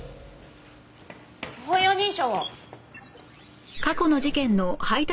歩容認証を。